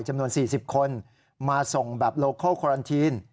จำนวน๔๐คนมาส่งแบบโลโคคอลันทีน